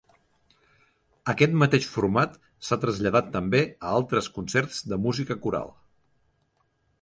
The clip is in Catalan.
Aquest mateix format s'ha traslladat també a altres concerts de música coral.